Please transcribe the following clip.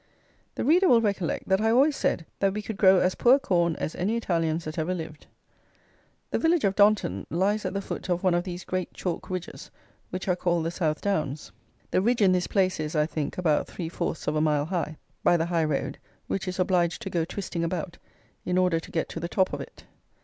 The reader will recollect that I always said that we could grow as poor corn as any Italians that ever lived. The village of Donton lies at the foot of one of these great chalk ridges which are called the South Downs. The ridge in this place is, I think, about three fourths of a mile high, by the high road, which is obliged to go twisting about, in order to get to the top of it.